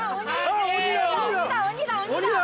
あっ鬼だ鬼だ鬼だ！